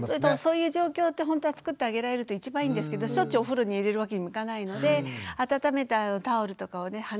そういう状況ってほんとはつくってあげられると一番いいんですけどしょっちゅうお風呂に入れるわけにもいかないので温めたタオルとかをね